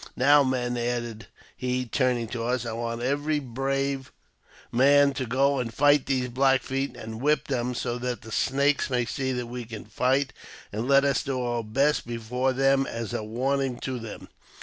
" Now, men," added he, turning to us, "I w^ant every brav€ man to go and fight these Black Feet, and whip them, so thai the Snakes may see that we can fight, and let us do our best before them as a warning to them.